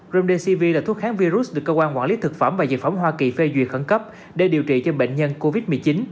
romdesv là thuốc kháng virus được cơ quan quản lý thực phẩm và dược phẩm hoa kỳ phê duyệt khẩn cấp để điều trị cho bệnh nhân covid một mươi chín